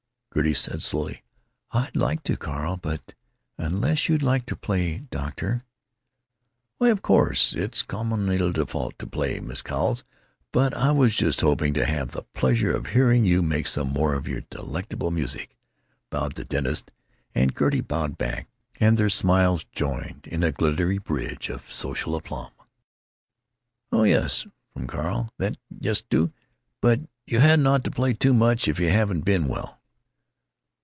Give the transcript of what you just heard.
Gertie said, slowly: "I'd like to, Carl, but——Unless you'd like to play, doctor?" "Why of course it's comme il faut to play, Miss Cowles, but I was just hoping to have the pleasure of hearing you make some more of your delectable music," bowed the dentist, and Gertie bowed back; and their smiles joined in a glittery bridge of social aplomb. "Oh yes," from Carl, "that—yes, do——But you hadn't ought to play too much if you haven't been well."